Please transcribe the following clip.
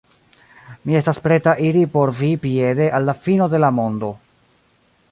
Mi estas preta iri por vi piede al la fino de la mondo.